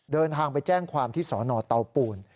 เดินทางไปแจ้งความที่สนเตาปูน